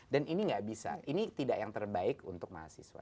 dan ini gak bisa ini tidak yang terbaik untuk mahasiswa